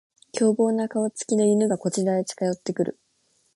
凶暴な顔つきの犬がこちらへ近寄ってくる